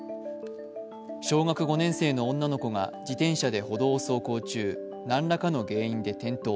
小学５年生の女の子が自転車で歩道を走行中、何らかの原因で転倒。